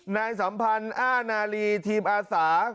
สัมพันธ์อ้านาลีทีมอาสา